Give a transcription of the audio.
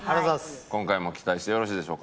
今回も期待してよろしいでしょうか？